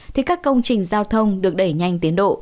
thì các công trình giao thông được đẩy nhanh tiến độ